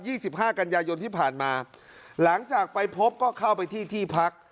สิบห้ากันยายนที่ผ่านมาหลังจากไปพบก็เข้าไปที่ที่พัก